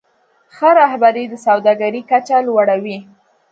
ښه رهبري د سوداګرۍ کچه لوړوي.